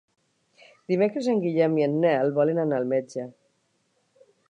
Dimecres en Guillem i en Nel volen anar al metge.